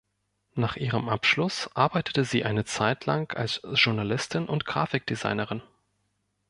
Nach ihrem Abschluss arbeitete sie eine Zeit lang als Journalistin und Grafikdesignerin.